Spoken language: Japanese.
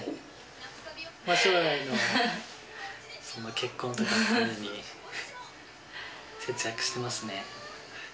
将来のその結婚とかのために節約してますね。